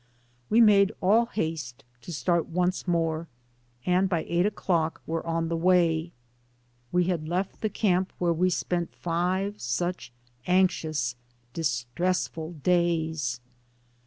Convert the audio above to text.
We made all haste to start once more, and by eight o'clock were on the way. We had left the camp where we spent five such anxious, distressful days.